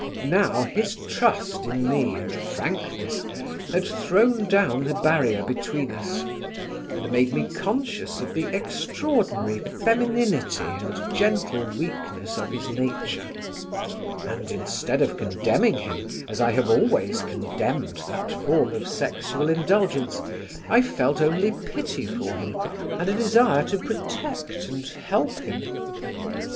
Now his trust in me and frankness had thrown down the barrier between us; and made me conscious of the extraordinary femininity and gentle weakness of his nature, and, instead of condemning him as I have always condemned that form of sexual indulgence, I felt only pity for him and a desire to protect and help him.